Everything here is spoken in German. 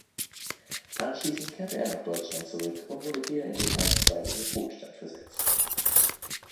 Anschließend kehrte er nach Deutschland zurück und wurde hier in den einstweiligen Ruhestand versetzt.